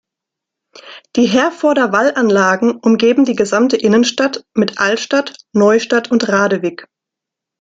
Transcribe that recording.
Die Herforder Wallanlagen umgeben die gesamte Innenstadt mit Altstadt, Neustadt und Radewig.